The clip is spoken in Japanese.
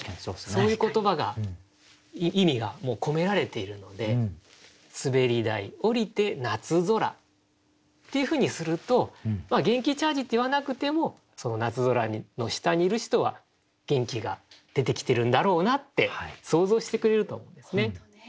そういう言葉が意味がもう込められているので「滑り台降りて夏空」っていうふうにすると「元気チャージ」って言わなくてもその夏空の下にいる人は元気が出てきてるんだろうなって想像してくれると思うんですね。